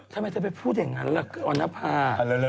ทำไมเธอไปพูดอย่างนั้นล่ะคือออนภา